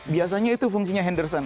biasanya itu fungsinya henderson